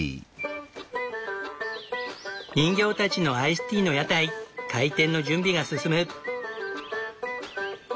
人形たちのアイスティーの屋台開店の準備が進む。